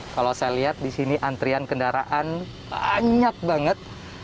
kalau saya lihat disini antrian kendaraan banyak banget